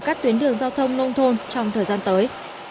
các tuyến đường giao thông nông thôn trong thời gian tới